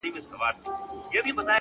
پرمختګ له زده کړې ځواک اخلي.!